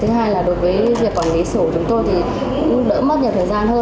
thứ hai là đối với việc quản lý sổ của chúng tôi thì cũng đỡ mất nhiều thời gian hơn